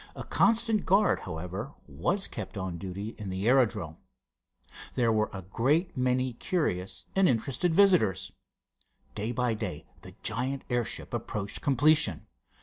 A constant guard, however, was kept on duty in the aerodrome. There were a great many curious and interested visitors. Day by day the giant airship approached completion.